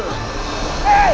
hei jangan lari